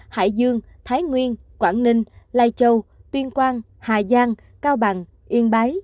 hải dương thái nguyên quảng ninh lai châu tuyên quang hà giang cao bằng yên bái